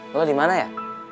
lo dimana ya